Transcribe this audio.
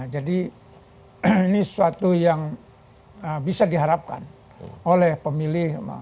jadi ini suatu yang bisa diharapkan oleh pemilih